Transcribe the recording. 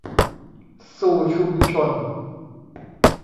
สู่ชุมชน